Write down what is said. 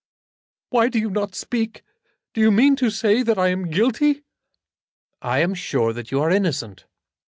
Why do you not speak? Do you mean to say that I am guilty?" "I am sure that you are innocent."